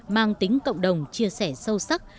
mang tính cộng đồng chia sẻ sâu sắc